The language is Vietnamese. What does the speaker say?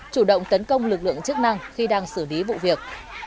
chủ động tấn công lực lượng chức năng khi đang xử lý vụ việc